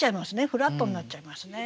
フラットになっちゃいますね。